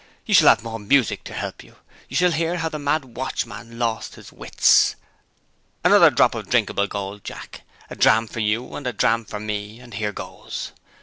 "You shall have more music to help you you shall hear how the mad watchman lost his wits. Another drop of the drinkable gold, Jack. A dram for you and a dram for me and here goes!"